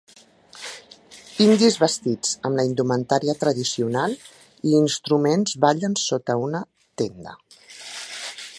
Indis vestits amb la indumentària tradicional i instruments ballen sota una tenda.